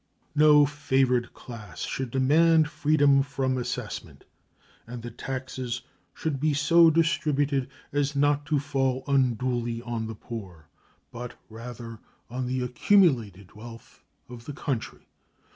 No favored class should demand freedom from assessment, and the taxes should be so distributed as not to fall unduly on the poor, but rather on the accumulated wealth of the country.